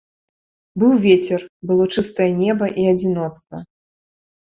Быў вецер, было чыстае неба і адзіноцтва.